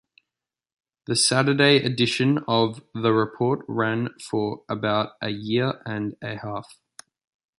The Saturday edition of the "Report" ran for about a year and a half.